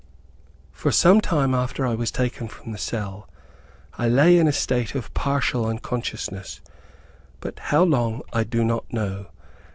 For some time after I was taken from the cell I lay in a state of partial unconsciousness, but how long, I do not know.